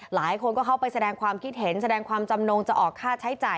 หลายคนก็เข้าไปแสดงความคิดเห็นแสดงความจำนงจะออกค่าใช้จ่าย